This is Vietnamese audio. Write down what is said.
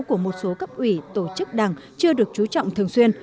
của một số cấp ủy tổ chức đảng chưa được chú trọng thường xuyên